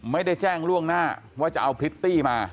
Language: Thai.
ไม่ได้แจ้งล่วงหน้าว่าจะเอาพริตตี้มา